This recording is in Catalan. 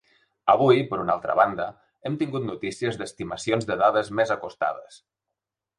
Avui, per una altra banda, hem tingut notícies d’estimacions de dades més acostades.